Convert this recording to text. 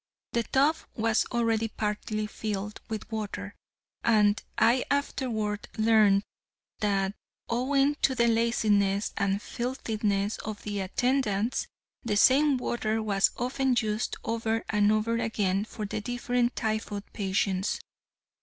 The tub was already partly filled with water, and I afterward learned that owing to the laziness and filthiness of the attendants, the same water was often used over and over again for the different typhoid patients.